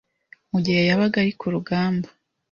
mu gihe yabaga ari ku rugamba